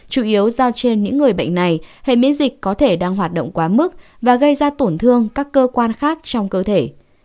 chủ yếu do trên những người bệnh này hệ miễn dịch có thể đang hoạt động quá mức và gây ra tổn thương các cơ quan khác trong cơ thể